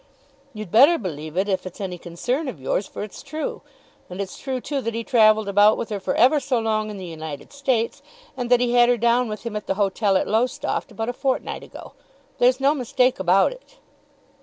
"You'd better believe it if it's any concern of yours, for it's true. And it's true too that he travelled about with her for ever so long in the United States, and that he had her down with him at the hotel at Lowestoft about a fortnight ago. There's no mistake about it."